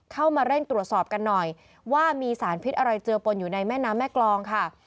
เข้ามาเร่งตรวจสอบกันหน่อยว่ามีสารพิษอะไรเจอปนอยู่ในแม่น้ำแม่กรองค่ะ